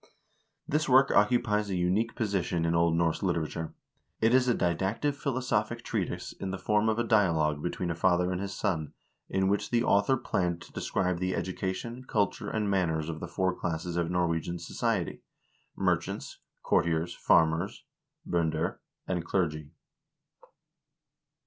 This work occupies a unique position in Old Norse literature. It is a didactic philosophic treatise in the form of a dialogue between a father and his son, in which the author planned to describe the education, culture, and manners of the four classes of Norwegian society — merchants, courtiers, farmers (binder), and clergy.